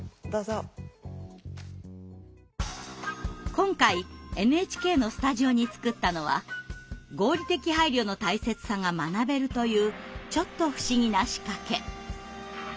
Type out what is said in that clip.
今回ＮＨＫのスタジオに作ったのは合理的配慮の大切さが学べるというちょっと不思議な仕掛け。